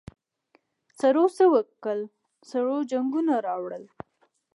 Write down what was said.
سړو څه وکل سړو جنګونه راوړل.